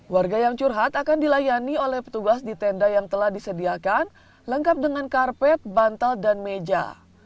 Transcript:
warga yang curhat akan dilayani oleh petugas di tenda yang telah disediakan lengkap dengan karpet bantal dan meja